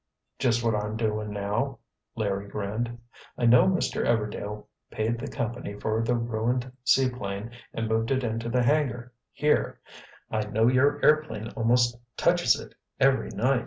"Just what I'm doing now," Larry grinned. "I know Mr. Everdail paid the company for the ruined seaplane and moved it into the hangar, here. I know your airplane almost touches it, every night.